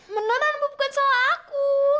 beneran bu bukan salah aku